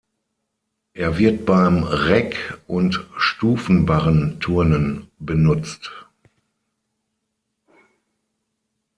Er wird beim Reck- und Stufenbarren-Turnen benutzt.